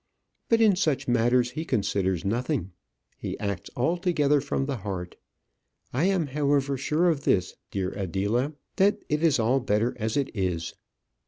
But in such matters he considers nothing. He acts altogether from the heart. I am, however, sure of this, dear Adela, that it is all better as it is.